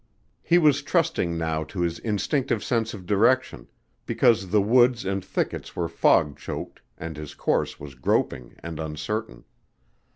He was trusting now to his instinctive sense of direction, because the woods and thickets were fog choked and his course was groping and uncertain.